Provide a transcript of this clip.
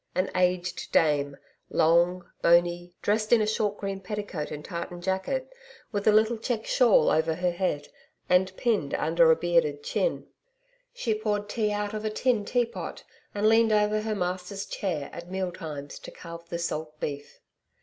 An aged dame, long, bony dressed in a short green petticoat and tartan jacket, with a little checked shawl over her head and pinned under a bearded chin. She poured tea out of a tin teapot and leaned over her master's chair at meal times to carve the salt beef.